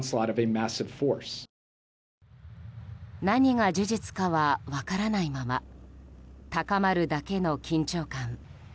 何が事実かは分からないまま高まるだけの緊張感。